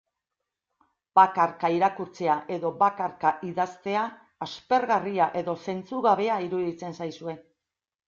Bakarka irakurtzea edo bakarka idaztea, aspergarria edo zentzugabea iruditzen zaizue.